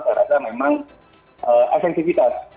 saya rasa memang asensivitas